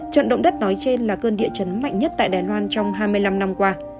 trận động đất nói trên là cơn địa chấn mạnh nhất tại đài loan trong hai mươi năm năm qua